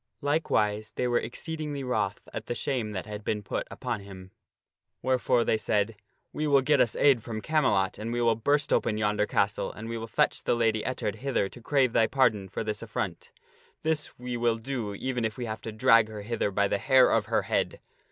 Likewise, they were fake*th ll great exceedingly wroth at the shame that had been put upon him ; grief because of wherefore they said, " We will get us aid from Camelot, and we will burst open yonder castle and we will fetch the Lady Ettard hither to crave thy pardon for this affront. This we will do even if we have to drag her hither by the hair of her head."